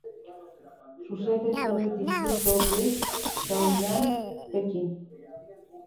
Su sede está en el Distrito de Chaoyang, Pekín.